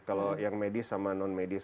kalau yang medis sama non medis